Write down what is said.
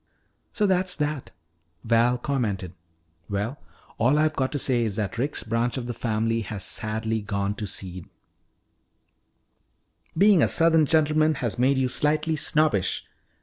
"So that's that," Val commented. "Well, all I've got to say is that Rick's branch of the family has sadly gone to seed " "Being a southern gentleman has made you slightly snobbish."